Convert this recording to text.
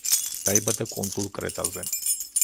დაიბადა კუნძულ კრეტაზე.